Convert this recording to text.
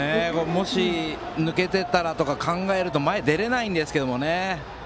もし、抜けていたらとか考えると前に出られないんですけどね。